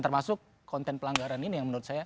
termasuk konten pelanggaran ini yang menurut saya